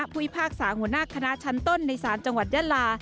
พิพากษาหัวหน้าคณะชั้นต้นในศาลจังหวัดยาลา